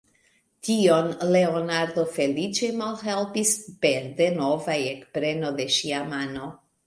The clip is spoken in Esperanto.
Tion Leonardo feliĉe malhelpis per denova ekpreno de ŝia mano.